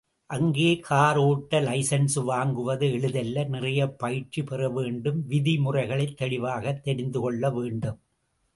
அங்கே கார் ஓட்ட லைசென்சு வாங்குவது எளிதல்ல நிறைய பயிற்சி பெறவேண்டும் விதி முறைகளைத் தெளிவாகத் தெரிந்துகொள்ள வேண்டும்.